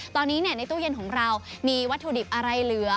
ตอนนี้ในตู้เย็นของเรามีวัตถุดิบอะไรเหลือ